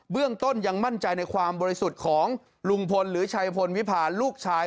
เรื่องต้นยังมั่นใจในความบริสุทธิ์ของลุงพลหรือชัยพลวิพาลูกชาย